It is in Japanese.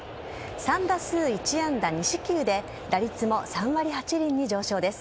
３打数１安打２四球で打率も３割８厘に上昇です。